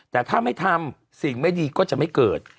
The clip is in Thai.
แต่ถ้าไม่ทำสิ่งไม่ดีก็จะไม่เกิด